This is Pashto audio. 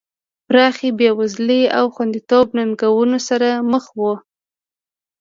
پراخې بېوزلۍ او خوندیتوب ننګونو سره مخ وو.